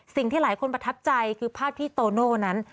สิ่งที่หลายคนประทับใจคือภาพที่โตโน่นั้น